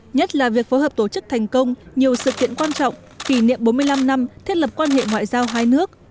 nhất là việc phối hợp tổ chức thành công nhiều sự kiện quan trọng kỷ niệm bốn mươi năm năm thiết lập quan hệ ngoại giao hai nước